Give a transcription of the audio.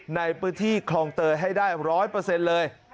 ในพื้นที่คลองเตยให้ได้๑๐๐เลย